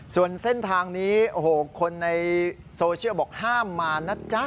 ส่วนเส้นทางนี้โอ้โหคนในโซเชียลบอกห้ามมานะจ๊ะ